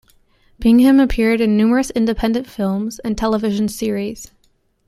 Bigham appeared in numerous independent films and television series.